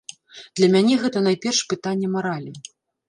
Для мяне гэта найперш пытанне маралі.